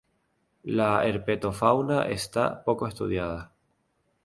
La herpetofauna está poco estudiada.